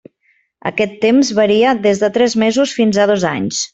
Aquest temps varia des de tres mesos fins a dos anys.